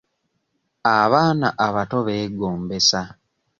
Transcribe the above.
Abaana abato beegombesa.